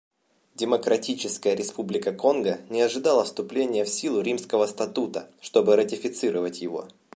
Демократическая Республика Конго не ожидала вступления в силу Римского статута, чтобы ратифицировать его.